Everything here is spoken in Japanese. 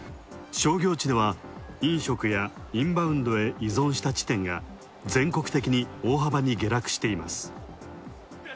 商業地では飲食やインバウンドへ依存した地点が全国的に大幅に下落しています。